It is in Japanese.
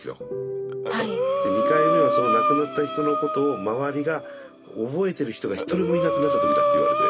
で２回目はその亡くなった人のことを周りが覚えてる人が１人もいなくなった時だって言われて。